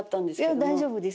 いや大丈夫です。